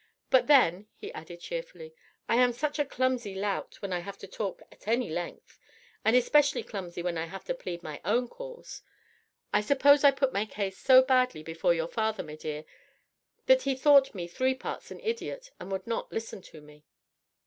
But then," he added cheerfully, "I am such a clumsy lout when I have to talk at any length and especially clumsy when I have to plead my own cause. I suppose I put my case so badly before your father, m'dear, that he thought me three parts an idiot and would not listen to me."